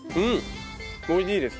おいしいです。